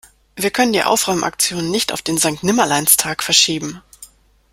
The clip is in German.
Wir können die Aufräumaktion nicht auf den Sankt-Nimmerleins-Tag verschieben.